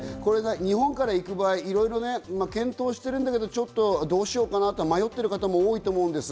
日本から行く場合、検討しているんだけれども、どうしようかなと迷ってる方も多いと思うんです。